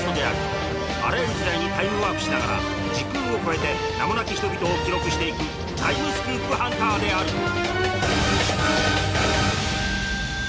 あらゆる時代にタイムワープしながら時空を超えて名もなき人々を記録していくタイムスクープハンターである。